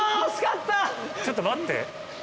ちょっと待って。